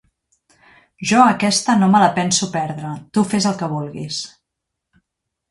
Jo aquesta no me la penso perdre; tu fes el que vulguis.